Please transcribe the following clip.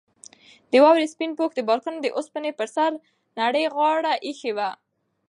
د واورې سپین پوښ د بالکن د اوسپنې پر سر نرۍ غاړه ایښې وه.